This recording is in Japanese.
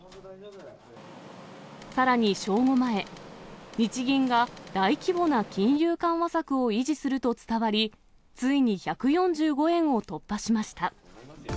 さらに正午前、日銀が大規模な金融緩和策を維持すると伝わり、ついに１４５円を突破しました。